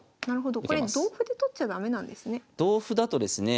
これ同歩で取っちゃ駄目なんですね。